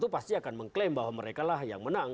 itu pasti akan mengklaim bahwa mereka yang menang